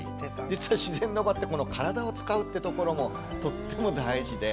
実は自然の場ってこの体を使うってところもとっても大事で。